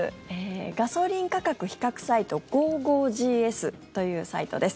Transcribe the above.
ガソリン価格比較サイトｇｏｇｏ．ｇｓというサイトです。